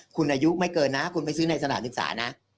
คุณอายุไม่เกินนะคุณไปซื้อในสถานศึกษานะ